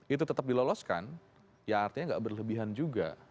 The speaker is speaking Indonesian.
itu tetap diloloskan ya artinya nggak berlebihan juga